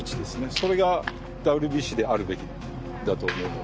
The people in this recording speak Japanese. それがＷＢＣであるべきだと思うので。